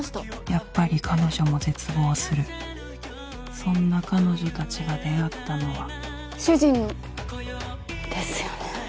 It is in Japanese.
やっぱり彼女も絶望するそんな彼女たちが出会ったのは主人の。ですよね。